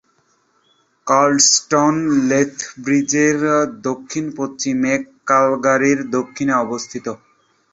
Cardston লেথব্রিজের দক্ষিণ-পশ্চিমে এবং ক্যালগারির দক্ষিণে অবস্থিত।